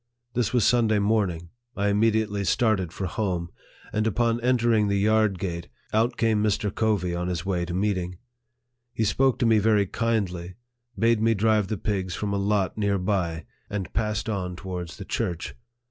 This was Sunday morning. I immediately started for home ; and upon entering the yard gate, out came Mr. Covey on his way to meeting. He spoke to me very kindly, bade me drive the pigs from a lot near by, and passed on towards the church.